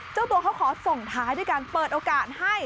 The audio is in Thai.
เจ้าตัวเขาขอส่งท้ายด้วยการเปิดโอกาสให้